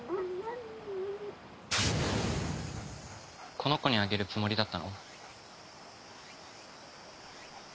この子にあげるつもりだったの？